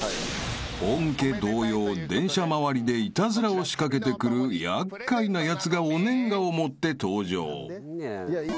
［本家同様電車周りでイタズラを仕掛けてくる厄介なやつがお年賀を持って登場］